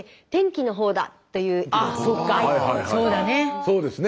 そうだね。